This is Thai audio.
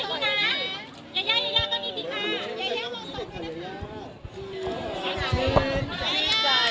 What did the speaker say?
มันไม่ใช่เรื่องใหญ่ส่วนของเราเลย